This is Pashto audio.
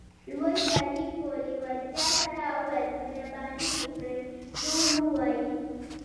لوی سړي په لیوالتیا سره وویل مهرباني وکړئ نور ووایئ